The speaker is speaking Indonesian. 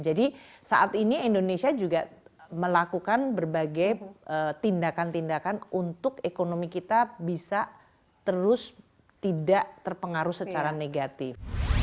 jadi saat ini indonesia juga melakukan berbagai tindakan tindakan untuk ekonomi kita bisa terus tidak terpengaruh secara negatif